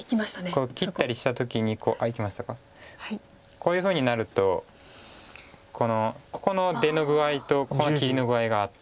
こういうふうになるとこのここの出の具合とこの切りの具合があって。